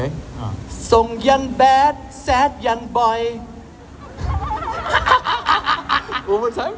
ทรงอย่างแบดแซดอย่างบ่อย